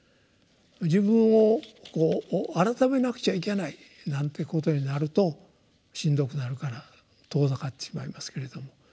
自分を改めなくちゃいけないなんていうことになるとしんどくなるから遠ざかってしまいますけれども。